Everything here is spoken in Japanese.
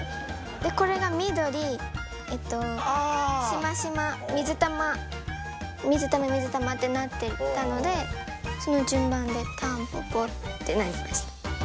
これが緑しましま水玉水玉ってなっていったのでその順番で「タンポポ」ってなりました。